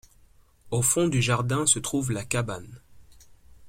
Au fond du jardin se trouve la cabane